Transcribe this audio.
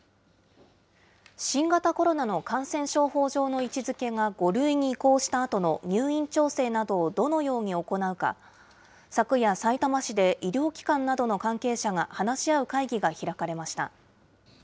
新型コロナの感染症法上の位置づけが５類に移行したあとの入院調整などをどのように行うか、昨夜、さいたま市で医療機関などの関係者が話し合う会議が開かれました。